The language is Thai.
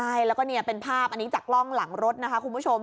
ใช่แล้วก็เนี่ยเป็นภาพอันนี้จากกล้องหลังรถนะคะคุณผู้ชม